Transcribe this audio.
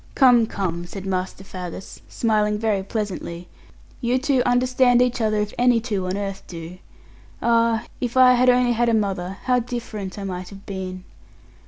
'Come, come,' said Master Faggus, smiling very pleasantly, 'you two understand each other, if any two on earth do. Ah, if I had only had a mother, how different I might have been!'